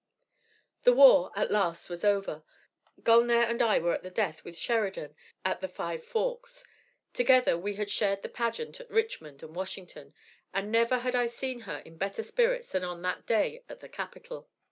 "The war, at last, was over, Gulnare and I were in at the death with Sheridan at the Five Forks. Together we had shared the pageant at Richmond and Washington, and never had I seen her in better spirits than on that day at the capital.